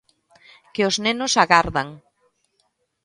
Que os nenos agardan.